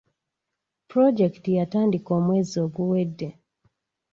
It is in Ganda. Pulojekiti yatandika omwezi oguwedde